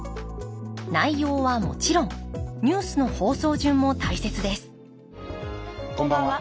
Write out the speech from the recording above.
内容はもちろんニュースの放送順も大切ですこんばんは。